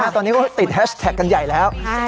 ตอนนี้ก็ติดแฮชแท็กกันใหญ่แล้ว